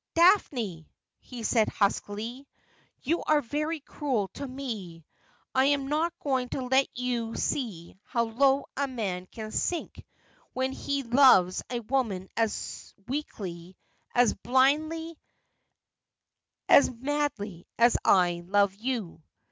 ' Daphne,' he said huskily, ' you are very cruel to me. I am not going to let you see how low a man can sink when he loves a woman as weakly, as blindly, as madly as I love you.